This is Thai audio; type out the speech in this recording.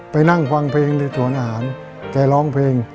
ไปนั่งฟังเพลงในสวนอาหารแกร้องเพลง